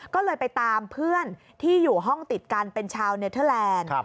ก็เลยไปตามเพื่อนที่อยู่ห้องติดกันเป็นชาวเนเทอร์แลนด์